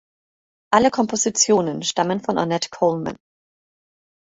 Alle Kompositionen stammen von Ornette Coleman.